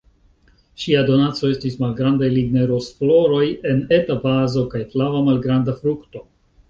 Ŝia donaco estis malgrandaj lignaj rozfloroj en eta vazo, kaj flava, malgranda frukto.